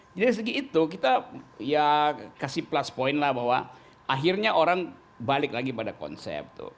jadi dari segi itu kita ya kasih plus point lah bahwa akhirnya orang balik lagi pada konsep tuh